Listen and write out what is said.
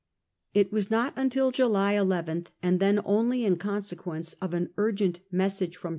It was not until July ii, and then only in consequence of an urgent message from